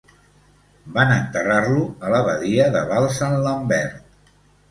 Van enterrar-lo a l'abadia de Val Sant Lambert.